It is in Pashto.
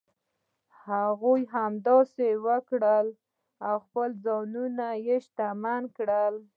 هغوی همداسې وکړل او خپل ځانونه شتمن کړل.